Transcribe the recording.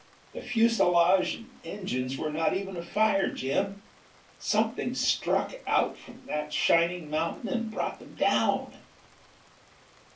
The fuselage and engines were not even afire. Jim, something struck out from that shining mountain and brought them down!"